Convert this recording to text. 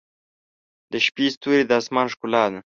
• د شپې ستوري د آسمان ښکلا ده.